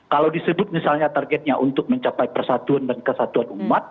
kalau disebut misalnya targetnya untuk mencapai persatuan dan kesatuan umat